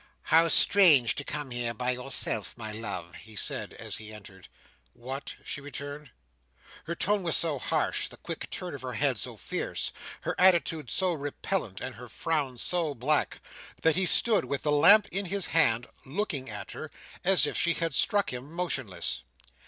"How strange to come here by yourself, my love!" he said as he entered. "What?" she returned. Her tone was so harsh; the quick turn of her head so fierce; her attitude so repellent; and her frown so black; that he stood, with the lamp in his hand, looking at her, as if she had struck him motionless.